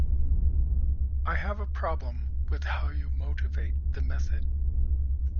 I have a problem with how you motivate the method.